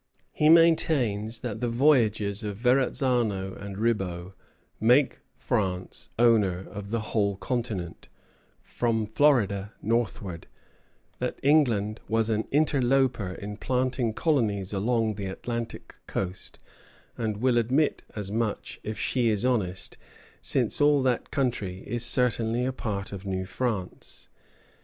He maintains that the voyages of Verrazzano and Ribaut made France owner of the whole continent, from Florida northward; that England was an interloper in planting colonies along the Atlantic coast, and will admit as much if she is honest, since all that country is certainly a part of New France.